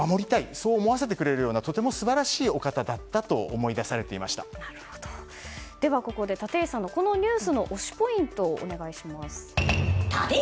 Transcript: そう思わせてくれるようなとても素晴らしいお方だったとここで立石さんのこのニュースの推しポイントをお願いします。